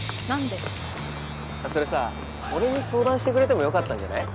それさ俺に相談してくれてもよかったんじゃない？